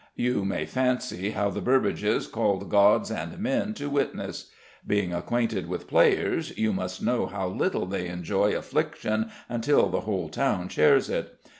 You may fancy how the Burbages called gods and men to witness. Being acquainted with players, you must know how little they enjoy affliction until the whole town shares it.